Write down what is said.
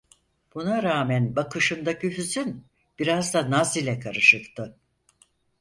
Buna rağmen bakışındaki hüzün biraz da naz ile karışıktı.